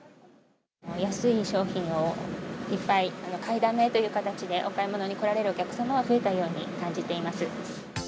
安い商品をいっぱい買いだめという形で、お買い物に来られるお客様が増えたように感じています。